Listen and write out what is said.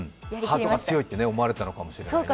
ハートが強いって思われたのかもしれないね。